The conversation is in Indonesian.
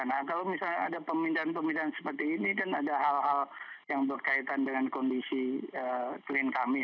nah kalau misalnya ada pemindahan pemindahan seperti ini kan ada hal hal yang berkaitan dengan kondisi klien kami